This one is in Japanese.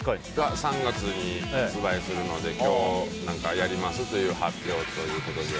３月に発売するのでやりますという発表ということで。